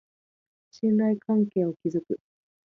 信頼関係を築く